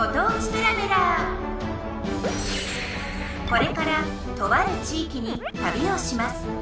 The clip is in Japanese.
これからとあるちいきにたびをします。